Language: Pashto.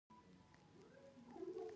اوکاناګن دره هم شراب جوړوي.